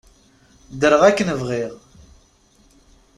Ddreɣ akken bɣiɣ.